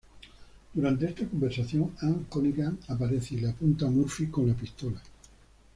Durante esta conversación, Anne Cunningham aparece y le apunta a Murphy con su pistola.